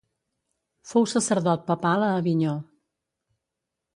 Fou sacerdot papal a Avinyó.